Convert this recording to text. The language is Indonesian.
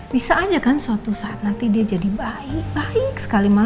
bisa aja kan suatu saat nanti dia jadi baik baik sekali makan